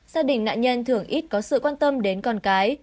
gia đình nạn nhân thường ít có sự quan tâm đến con cái